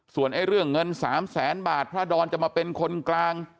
ส่วนเรื่องเงิน๓แสนบาทพระดอนจะมาเป็นคนกลาง